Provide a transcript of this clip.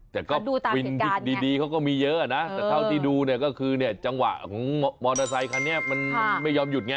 แต่ก็วินที่ดีเขาก็มีเยอะนะแต่เท่าที่ดูเนี่ยก็คือเนี่ยจังหวะของมอเตอร์ไซคันนี้มันไม่ยอมหยุดไง